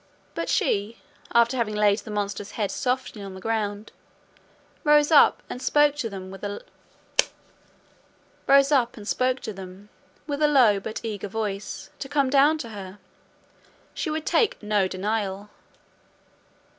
But she, after having laid the monster's head softly on the ground, rose up and spoke to them, with a low but eager voice, to come down to her; she would take no denial.